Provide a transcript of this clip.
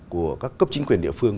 của các cấp chính quyền địa phương